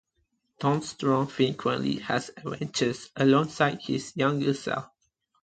Tom Strong frequently has adventures alongside his younger self.